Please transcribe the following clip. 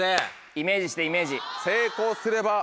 イメージしてイメージ。